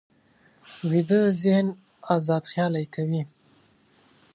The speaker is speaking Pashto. ویده ذهن ازاد خیالي کوي